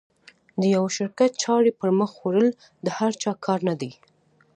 د یوه شرکت چارې پر مخ وړل د هر چا کار نه ده.